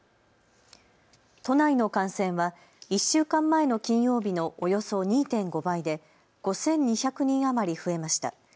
都内の感染は１週間前の金曜日のおよそ２．５倍で５２００人余り増えました。